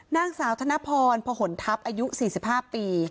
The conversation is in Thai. นางสาวธนพรพหนทัพอายุ๔๕ปี